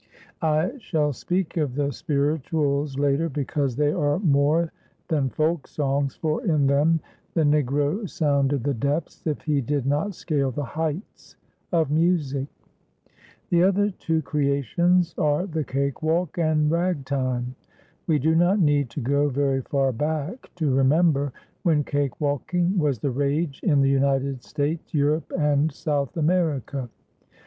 I shall speak of the "spirituals" later because they are more than folk songs, for in them the Negro sounded the depths, if he did not scale the heights, of music. The other two creations are the Cakewalk and ragtime. We do not need to go very far back to remember when cakewalking was the rage in the United States, Europe and South America.